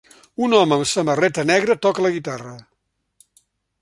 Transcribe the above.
Un home amb samarreta negra toca la guitarra.